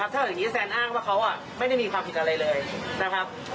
ถ้าอย่างนี้แซนอ้างว่าเขาไม่ได้มีความผิดอะไรเลยนะครับ